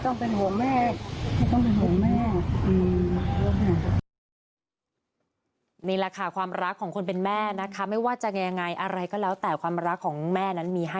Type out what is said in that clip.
ต้องเป็นหัวแม่ต้องเป็นหัวแม่